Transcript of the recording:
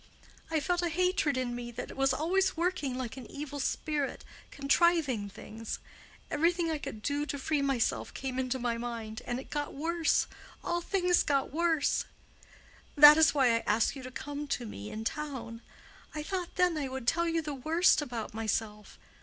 "I felt a hatred in me that was always working like an evil spirit—contriving things. Everything I could do to free myself came into my mind; and it got worse—all things got worse. That is why I asked you to come to me in town. I thought then I would tell you the worst about myself.